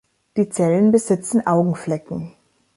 Die Zellen besitzen Augenflecken.